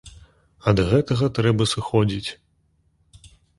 Ад гэтага трэба сыходзіць.